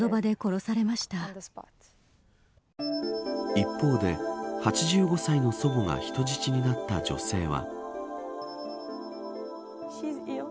一方で、８５歳の祖母が人質になった女性は。